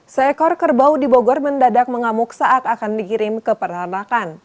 seekor kerbau di bogor mendadak mengamuk saat akan dikirim ke peternakan